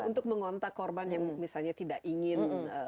untuk mengontak korban yang misalnya tidak ingin